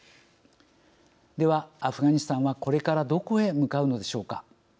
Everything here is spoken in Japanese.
では、アフガニスタンはこれからどこへ向かうのでしょうか。